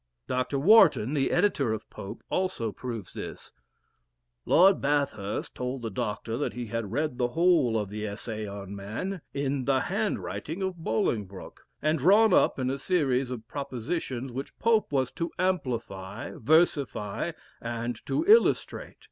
Doctor Warton, the editor of Pope, also proves this: "Lord Bathurst told the Doctor that he had read the whole of the 'Essay on Man' in the handwriting of Bolingbroke, and drawn up in a series of propositions which Pope was to amplify, versify, and to illustrate."